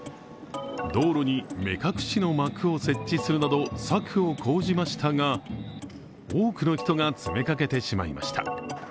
道路に目隠しの幕を設置するなど策を講じましたが、多くの人が詰めかけてしまいました。